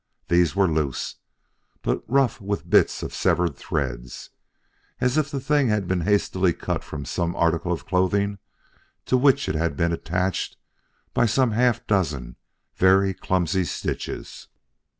These were loose, but rough with bits of severed thread, as if the thing had been hastily cut from some article of clothing to which it had been attached by some half dozen very clumsy stitches.